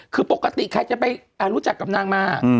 คือปกติใครจะไปรู้จักกับนางมา